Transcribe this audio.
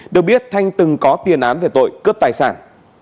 được biết thanh từng có tiền án về tội cướp tài sản